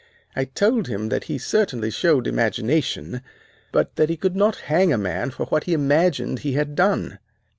I told him that he certainly showed imagination, but that he could not hang a man for what he imagined he had done.